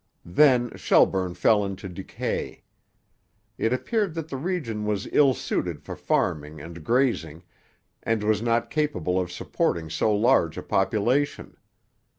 Then Shelburne fell into decay. It appeared that the region was ill suited for farming and grazing, and was not capable of supporting so large a population.